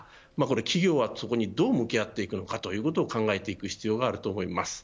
企業は、そこにどう向き合っていくのかということを考えていく必要があると思います。